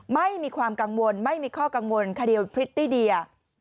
ไม่มีความกังวลไม่มีข้อกังวลคดีพริตตี้เดีย